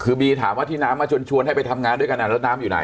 คือบีถามว่าที่น้ำมาชวนให้ไปทำงานด้วยกันแล้วน้ำอยู่ไหน